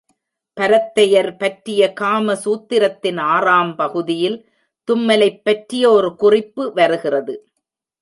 பரத்தையர் பற்றிய காம சூத்திரத்தின் ஆறாம் பகுதியில் தும்மலைப் பற்றிய ஒரு குறிப்பு வருகிறது.